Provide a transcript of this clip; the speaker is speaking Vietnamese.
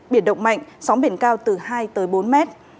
biển động mạnh sóng biển cao từ hai tới bốn mét